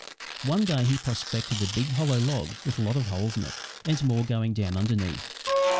One day he prospected a big hollow log with a lot of holes in it, and more going down underneath.